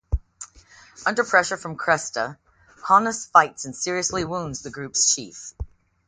Under pressure from Cresta, Honus fights and seriously wounds the group's chief.